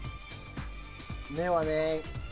目はね。